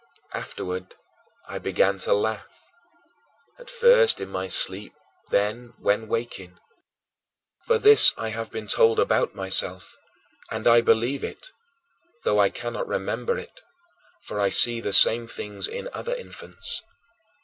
8. Afterward I began to laugh at first in my sleep, then when waking. For this I have been told about myself and I believe it though I cannot remember it for I see the same things in other infants.